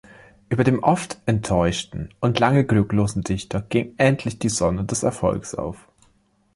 Über dem oft enttäuschten und lange glücklosen Dichter ging endlich die Sonne des Erfolgs auf.